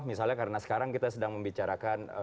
misalnya karena sekarang kita sedang membicarakan